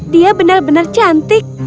dia benar benar cantik